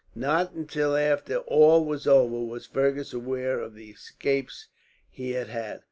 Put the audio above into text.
Not until after all was over was Fergus aware of the escapes he had had.